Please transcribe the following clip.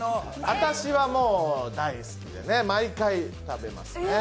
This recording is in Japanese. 私はもう大好きで毎回食べますね。